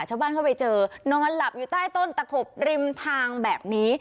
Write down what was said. ชาวบ้านเข้าไปเจอนอนหลับอยู่ใต้ต้นตะขบริมทางแบบนี้